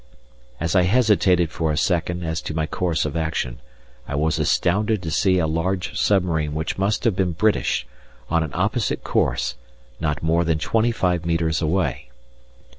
As I hesitated for a second as to my course of action, I was astounded to see a large submarine which must have been British, on an opposite course, not more than 25 metres away!